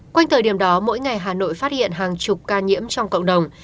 quanh thời điểm đó mỗi ngày hà nội phát hiện hàng chục ca nhiễm trong cộng đồng